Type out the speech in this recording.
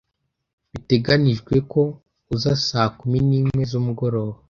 Biteganijwe ko uza saa kumi nimwe zumugoroba.